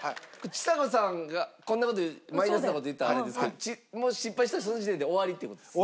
ちさ子さんがこんな事マイナスな事言ったらあれですけど失敗したらその時点で終わりって事ですか？